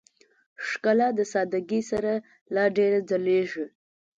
ښکلا د سادهګۍ سره لا ډېره ځلېږي.